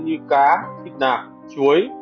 như cá thịt nạc chuối